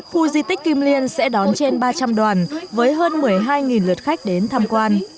khu di tích kim liên sẽ đón trên ba trăm linh đoàn với hơn một mươi hai lượt khách đến tham quan